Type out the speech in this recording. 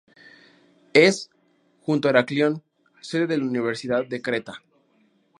Es, junto a Heraclión, sede de la Universidad de Creta.